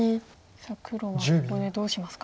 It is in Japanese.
さあ黒はここでどうしますか？